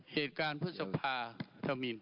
เหตุการณ์พฤษภาธมิน